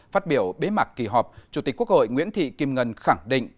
phát biểu bế mạc kỳ họp chủ tịch quốc hội nguyễn thị kim ngân khẳng định